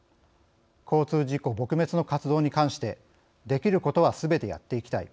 交通事故撲滅の活動に関してできることはすべてやっていきたい。